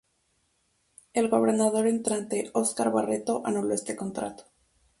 El gobernador entrante Óscar Barreto anuló este contrato.